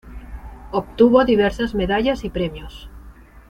Obtuvo diversas medallas y premios.